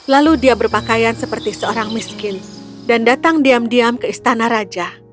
lalu dia berpakaian seperti seorang miskin dan datang diam diam ke istana raja